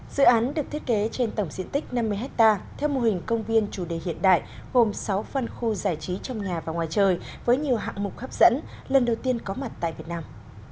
dự án được thiết kế trên tổng diện tích năm mươi hectare theo mô hình công viên chủ đề hiện đại gồm sáu phân khu giải trí trong nhà và ngoài trời với nhiều hạng mục hấp dẫn lần đầu tiên có mặt tại việt nam